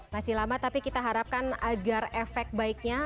masih lama tapi kita harapkan agar efek baiknya